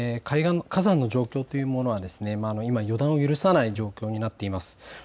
火山の状況というものは予断を許さない状況になっています。